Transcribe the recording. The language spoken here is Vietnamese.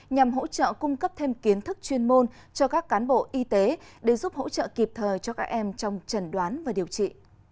nhằm hỗ trợ cung cấp thêm kiến thức chuyên môn cho các cán bộ y tế để giúp hỗ trợ kịp thời cho các em trong trần đoán và điều trị